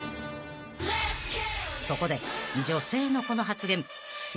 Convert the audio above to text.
［そこで女性のこの発言］